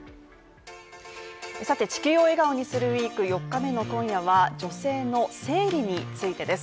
さて「地球を笑顔にするＷＥＥＫ」４日目の今夜は女性の生理についてです。